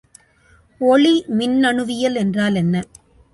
ஒளிமின்னணுவியல் என்றால் என்ன?